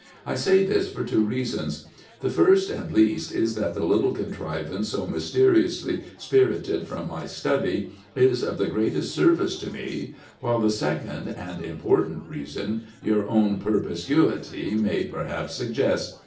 I say this for two reasons. The first and least is that the little contrivance so mysteriously spirited from my study is of the greatest service to me; while the second and important reason your own perspicuity may perhaps suggest.